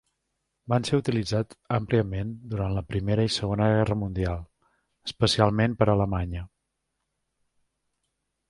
Van ser utilitzats àmpliament durant la Primera i Segona Guerra Mundial, especialment per Alemanya.